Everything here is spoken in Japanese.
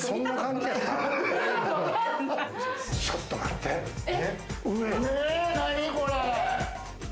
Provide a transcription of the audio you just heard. ちょっと待って、上！